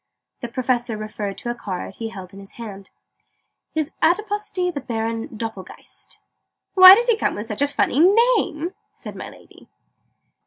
The Professor referred to a card he held in his hand. "His Adiposity the Baron Doppelgeist." "Why does he come with such a funny name?" said my Lady.